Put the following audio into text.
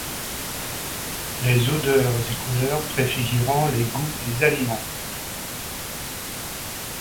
Les odeurs et couleurs préfigurant les goûts des aliments.